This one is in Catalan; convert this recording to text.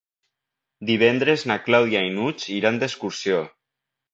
Divendres na Clàudia i n'Hug iran d'excursió.